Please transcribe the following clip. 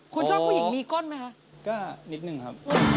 คุณชอบผู้หญิงมีก้นไหมครับ